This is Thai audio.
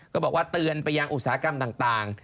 ก็บอกว่าเตือนไปยังอุตสาหกรรมต่าง